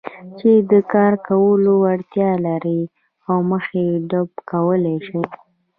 چې د کار کولو وړتیا لري او مخه يې ډب کولای شي.